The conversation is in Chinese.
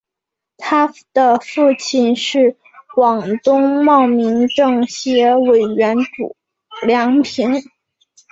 她的父亲是广东茂名政协委员梁平。